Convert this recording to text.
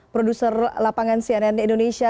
produser lapangan cnn indonesia